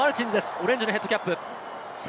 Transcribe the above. オレンジのヘッドキャップ。